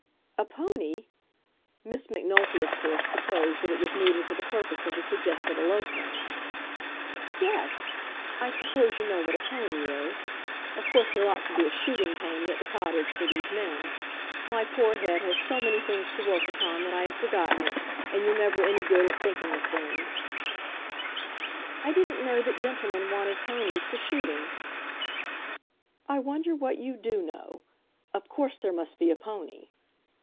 "A pony!" Miss Macnulty of course supposed that it was needed for the purpose of the suggested elopement. "Yes; I suppose you know what a pony is? Of course there ought to be a shooting pony at the cottage for these men. My poor head has so many things to work upon that I had forgotten it; and you're never any good at thinking of things." "I didn't know that gentlemen wanted ponies for shooting." "I wonder what you do know? Of course there must be a pony."